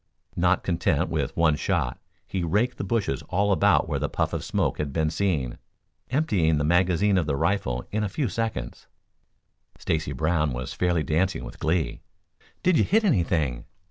Not content with one shot he raked the bushes all about where the puff of smoke had been seen, emptying the magazine of the rifle in a few seconds. Stacy Brown was fairly dancing with glee. "Did you hit anything?"